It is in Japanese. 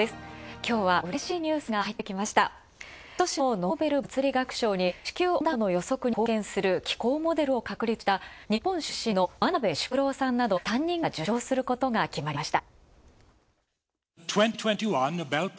今年のノーベル物理学賞に地球温暖化などの予測に貢献する気候モデルを確立した日本出身の真鍋淑郎さんなど３人が受賞することが決まりました。